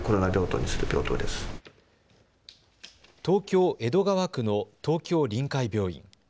東京江戸川区の東京臨海病院。